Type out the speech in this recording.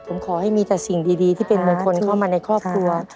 ผมขอให้มีแต่สิ่งดีที่เป็นมงคลเข้ามาในครอบครัว